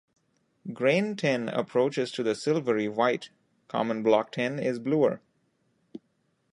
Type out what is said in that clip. Grain tin approaches to the silvery white. Common block tin is bluer.